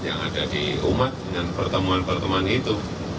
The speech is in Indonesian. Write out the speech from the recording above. yang ada di umat dengan pertemuan pertemuan itu